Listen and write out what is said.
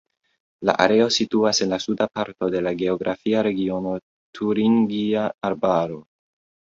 La areo situas en la suda parto de la geografia regiono Turingia Arbaro.